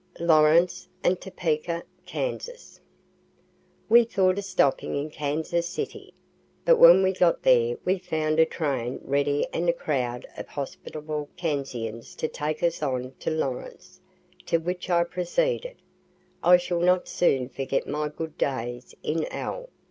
LAWRENCE AND TOPEKA, KANSAS We thought of stopping in Kansas City, but when we got there we found a train ready and a crowd of hospitable Kansians to take us on to Lawrence, to which I proceeded. I shall not soon forget my good days in L.